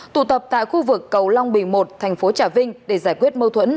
tụ tập tại khu vực cầu long bình một thành phố trà vinh để giải quyết mâu thuẫn